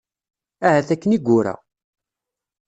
Ahat akken i yura.